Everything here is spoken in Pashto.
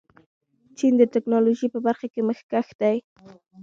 چین د ټیکنالوژۍ په برخه کې مخکښ دی.